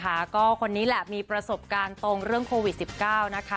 ค่ะก็คนนี้แหละมีประสบการณ์ตรงเรื่องโควิด๑๙นะคะ